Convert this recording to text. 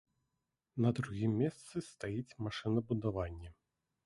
На другім месцы стаіць машынабудаванне.